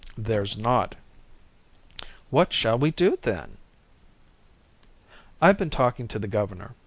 "There's not." "What shall we do then?" "I've been talking to the governor.